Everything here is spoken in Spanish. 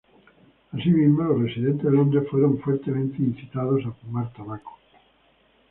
Así mismo, los residentes de Londres fueron fuertemente incitados a fumar tabaco.